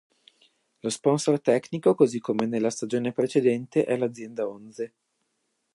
Lo sponsor tecnico, così come nella stagione precedente, è l'azienda Onze.